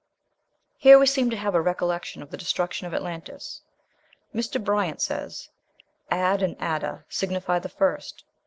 Here we seem to have a recollection of the destruction of Atlantis. Mr. Bryant says, "Ad and Ada signify the first."